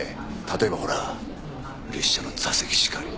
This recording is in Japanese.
例えばほら列車の座席しかり。